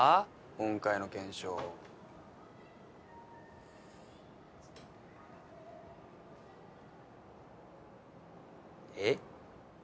今回の検証えっ？